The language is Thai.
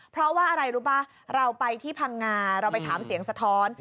เพราะว่าอะไรรู้ป่ะเราไปที่พังงาเราไปถามเสียงสะท้อน